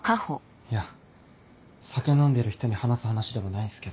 いや酒飲んでる人に話す話でもないんすけど。